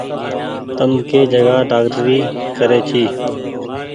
تم ڪي جگآ ڊآڪٽري ڪري ڇي۔